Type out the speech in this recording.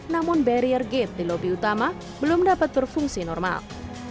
namun barrier gate di lobi utama belum dapat berfungsi normal